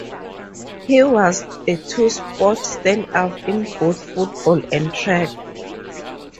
He was a two-sport standout in both football and track.